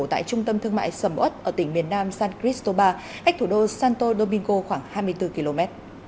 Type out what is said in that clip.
tại trung tâm thương mại sầm ất ở tỉnh miền nam san cristobal cách thủ đô santo domingo khoảng hai mươi bốn km